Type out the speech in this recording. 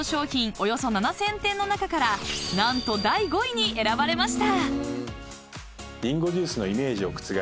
およそ７，０００点の中から何と第５位に選ばれました］